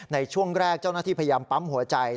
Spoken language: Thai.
ในช่วงแรกเจ้าหน้าที่พยายามปั๊มหัวใจ